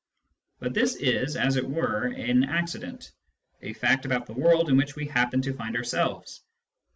But this is, as it were, an accident, a fact about the world in which we happen to find ourselves.